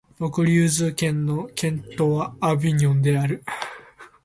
ヴォクリューズ県の県都はアヴィニョンである